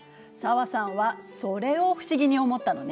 紗和さんはそれを不思議に思ったのね。